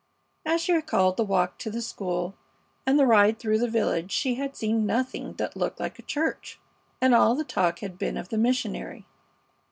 As she recalled the walk to the school and the ride through the village she had seen nothing that looked like a church, and all the talk had been of the missionary.